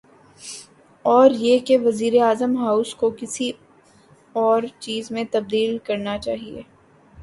اوریہ کہ وزیراعظم ہاؤس کو کسی اورچیز میں تبدیل کرنا چاہیے۔